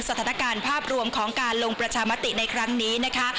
สภาพรวมของการลงประชามติในครั้งนี้นะคะ